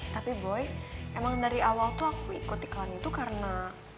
tapi boy emang dari awal tuh aku ikut iklan itu karena